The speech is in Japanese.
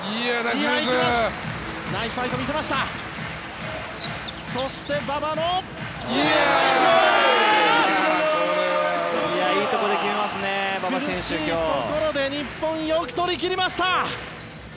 苦しいところで日本、よく取り切りました！